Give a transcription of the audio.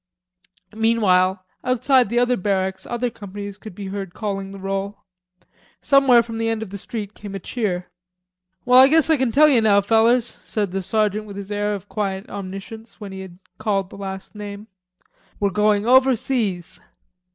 Meanwhile outside the other barracks other companies could be heard calling the roll. Somewhere from the end of the street came a cheer. "Well, I guess I can tell you now, fellers," said the sergeant with his air of quiet omniscience, when he had called the last name. "We're going overseas."